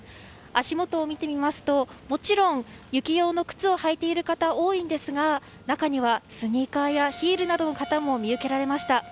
足元を見てみますともちろん雪用の靴を履いている方は多いんですが中にはスニーカーやヒールなどの方も見受けられました。